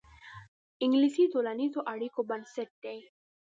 انګلیسي د ټولنیزو اړیکو بنسټ دی